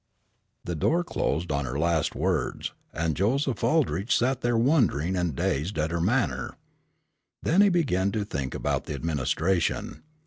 The door closed on her last words, and Joseph Aldrich sat there wondering and dazed at her manner. Then he began to think about the administration.